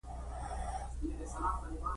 اي نجلۍ